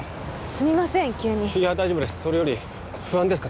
すみません急にいや大丈夫ですそれより不安ですか？